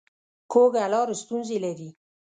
کوږه لار ستونزې لري